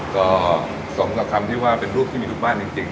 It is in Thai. ก็สมกับคำที่ว่าเป็นรูปที่มีลูกบ้านจริง